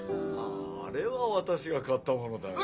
あああれは私が買ったものだよ。